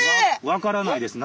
分からないです。